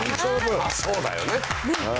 そうだよね。